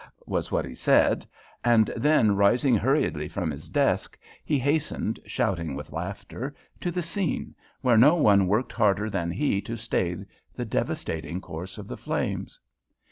was what he said; and then, rising hurriedly from his desk, he hastened, shouting with laughter, to the scene, where no one worked harder than he to stay the devastating course of the flames.